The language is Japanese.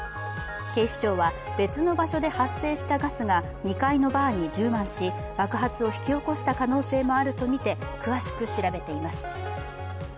警視庁は別の場所で発生したガスが２階のバーに充満し爆発を引き起こした可能性もあるとみて詳しく調べています。